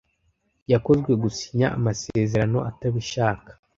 Yakozwe gusinya amasezerano atabishaka.